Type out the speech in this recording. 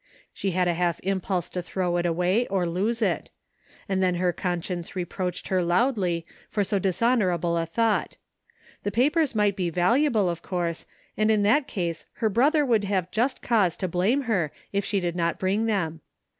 She had a half impulse to throw it away or lose it; and then her conscience re proached her loudly for so dishonorable a thought The papers might be valuable, of course, and in that case her brother would have just cause to blame her if she did not bring them.